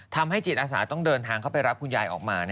ทำให้จิตอาสาต้องเดินทางเข้าไปรับคุณยายออกมา